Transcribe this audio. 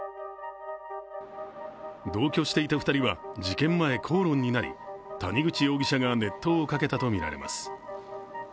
同居していた２人は事件前、口論になり谷口容疑者が熱湯をかけたとみられます。